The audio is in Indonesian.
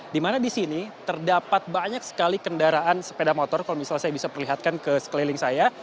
di mana di sini terdapat banyak sekali kendaraan sepeda motor kalau misalnya saya bisa perlihatkan ke sekeliling saya